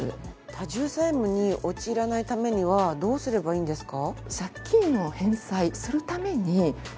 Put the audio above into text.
多重債務に陥らないためにはどうすればいいんですか？